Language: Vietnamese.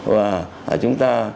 và chúng ta